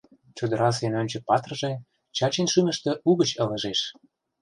Чодырасе Нӧнчык-патырже Чачин шӱмыштӧ угыч ылыжеш.